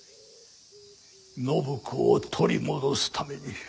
展子を取り戻すために。